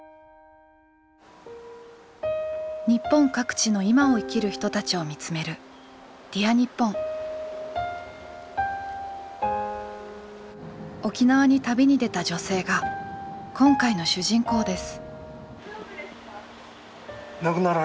日本各地の今を生きる人たちを見つめる沖縄に旅に出た女性が今回の主人公です。